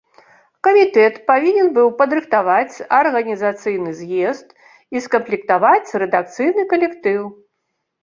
Камітэт павінен быў падрыхтаваць арганізацыйны з'езд і скамплектаваць рэдакцыйны калектыў.